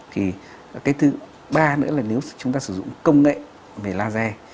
thì cái thứ ba nữa là nếu chúng ta sử dụng công nghệ về laser